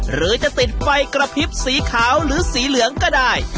หรือจะติดไฟกระพริบสีขาวหรือสีเหลืองก็ได้